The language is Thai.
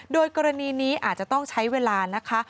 โดยกรณีนี้อาจจะต้องใช้เวลานะคะ